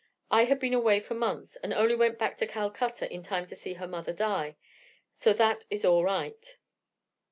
I had been away for months, and only went back to Calcutta in time to see her mother die. So that is all right."